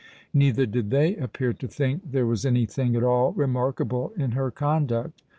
Neither did they appear to think there was any thing at all remarkable in her conduct.